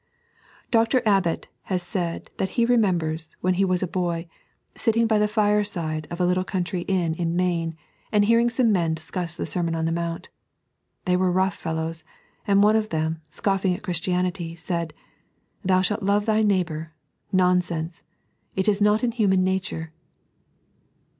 Dr. Abbott has said that he remembers, when he was a boy, sitting by the fireside of a little country inn in Maine, and hearing some men discuss the Sermon on the Mount. They were rough fellows, and one of them, scoffing at Christianity, said :" Thou shalt love thy neighbour — nonsense ! It is not in human nature."